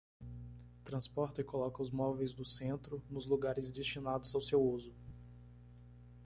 Transporta e coloca os móveis do centro nos lugares destinados ao seu uso.